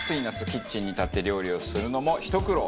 キッチンに立って料理をするのもひと苦労。